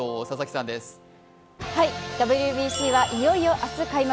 ＷＢＣはいよいよ明日開幕。